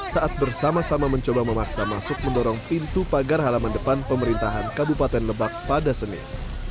saat bersama sama mencoba memaksa masuk mendorong pintu pagar halaman depan pemerintahan kabupaten lebak pada senin